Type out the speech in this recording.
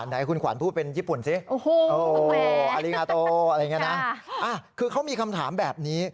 ไหนคุณขวัญพูดเป็นญี่ปุ่นสิอริงาโตอะไรอย่างนี้นะคือเขามีคำถามแบบนี้